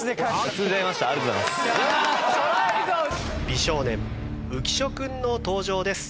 美少年浮所君の登場です。